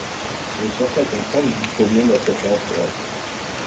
J’ai cherché à comprendre d’où provenait ma préférence pour elle.